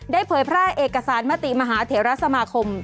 เผยแพร่เอกสารมติมหาเถระสมาคม